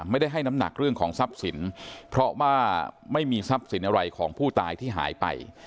ไม่ได้ให้น้ำหนักเรื่องของทรัพย์สินเพราะว่าไม่มีทรัพย์สินอะไรของผู้ตายที่หายไป